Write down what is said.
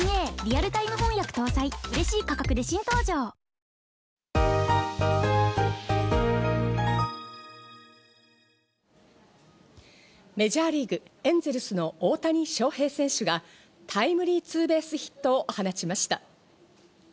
キッコーマン豆乳キッコーマンメジャーリーグ、エンゼルスの大谷翔平選手がタイムリーツーベースヒットを放ちました。